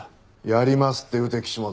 「やります」って打て岸本。